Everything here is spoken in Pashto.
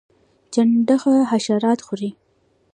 چنډخه حشرات خوري